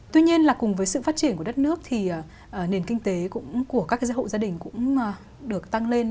tuy nhiên là cùng với sự phát triển của đất nước thì nền kinh tế của các hộ gia đình cũng được tăng lên